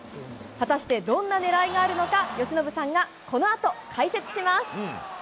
果たしてどんなねらいがあるのか、由伸さんがこのあと解説します。